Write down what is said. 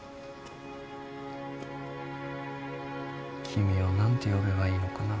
君を何て呼べばいいのかな？